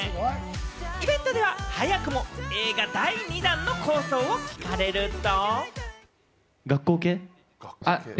イベントでは早くも映画第２弾の構想を聞かれると。